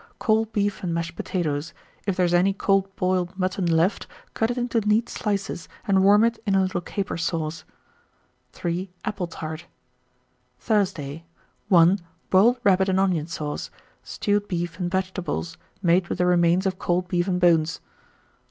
Cold beef and mashed potatoes: if there is any cold boiled mutton left, cut it into neat slices and warm it in a little caper sauce. 3. Apple tart. 1928. Thursday. 1. Boiled rabbit and onion sauce, stewed beef and vegetables, made with the remains of cold beef and bones.